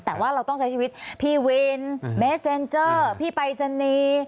แต่ว่าเราต้องใช้ชีวิตพี่วินเมสเซ็นเจอร์พี่ปรายศนีย์